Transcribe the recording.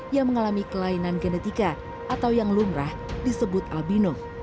yang mengalami kelainan genetika atau yang lumrah disebut albino